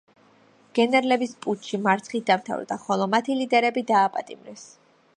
გენერლების პუტჩი მარცხით დამთავრდა, ხოლო მათი ლიდერები დააპატიმრეს.